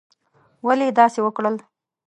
ولي یې داسي وکړل؟